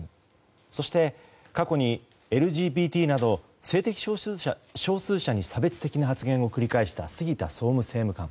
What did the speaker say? そして、過去にＬＧＢＴなど性的少数者に差別的な発言を繰り返した杉田総務政務官。